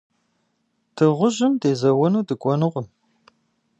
Дыгъужьым дезэуэну дыкӀуэнукъым.